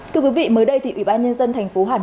thưa quý vị mới đây thì ủy ban nhân dân thành phố hà nội